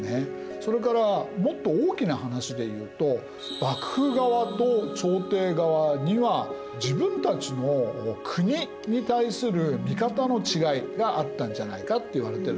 それからもっと大きな話でいうと幕府側と朝廷側には自分たちの国に対する見方の違いがあったんじゃないかといわれてるんですね。